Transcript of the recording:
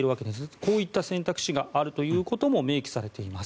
こういった選択肢があるということも明記されています。